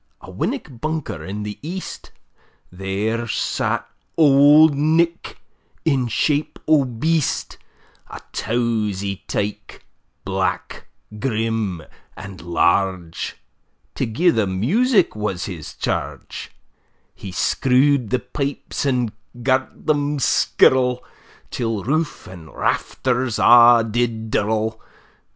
A winnock bunker in the east, There sat auld Nick, in shape o' beast; A towzie tyke, black, grim, and large, To gie them music was his charge; He screw'd the pipes and gart them skirl, Till roof and rafters a' did dirl.